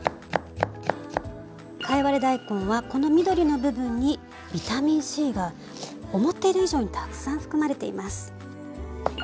貝割れ大根はこの緑の部分にビタミンＣが思っている以上にたくさん含まれています。